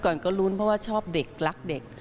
ก่อนก็ลุ้นเพราะว่าชอบเด็กรักเด็ก